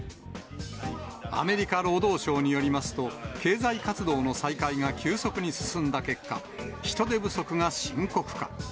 アメリカ労働省によりますと、経済活動の再開が急速に進んだ結果、人手不足が深刻化。